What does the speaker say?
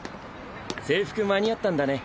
制服間に合ったんだね。